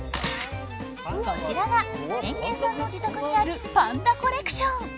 こちらがエンケンさんの自宅にあるパンダコレクション。